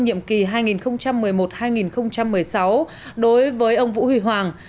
nhiệm kỳ hai nghìn một mươi một hai nghìn một mươi sáu đối với ông vũ huy hoàng